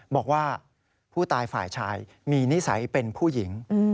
บอกว่าผู้ตายฝ่ายชายมีนิสัยเป็นผู้หญิง